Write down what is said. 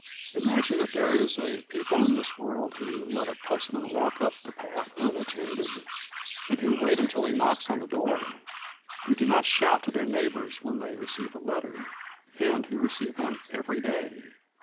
Imagine that there is a people in this world who let a postman walk up the path unattended, and who wait until he knocks on the door! Who do not shout to their neighbors when they receive a letter, and who receive one every day!